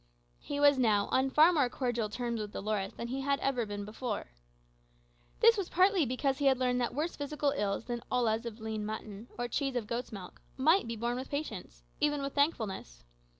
He was now on far more cordial terms with Dolores than he had ever been before. This was partly because he had learned that worse physical evils than ollas of lean mutton, or cheese of goat's milk, might be borne with patience, even with thankfulness.